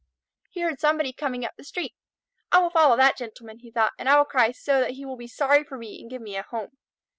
He heard somebody coming up the street. "I will follow that Gentleman," he thought, "and I will cry so that he will be sorry for me and give me a home."